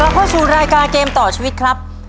เข้าสู่รายการเกมต่อชีวิตครับ